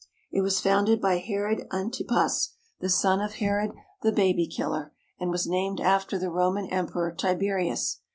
It was founded by Herod Antipas, the son of Herod, the baby killer, and was named after the Roman Emperor Tiberias.